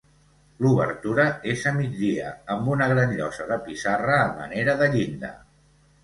L'obertura és a migdia, amb una gran llosa de pissarra a manera de llinda.